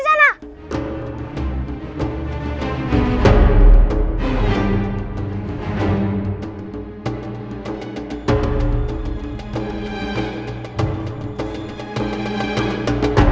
terus gimana dengan bapakku